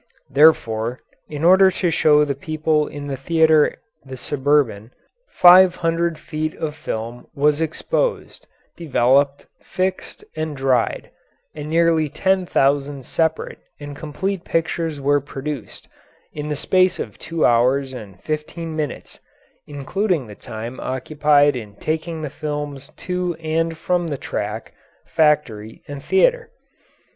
Therefore, in order to show the people in the theatre the Suburban, five hundred feet of film was exposed, developed, fixed, and dried, and nearly ten thousand separate and complete pictures were produced, in the space of two hours and fifteen minutes, including the time occupied in taking the films to and from the track, factory, and theatre.